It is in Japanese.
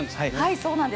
そうなんです。